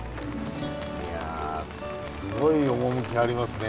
いやすごい趣ありますね。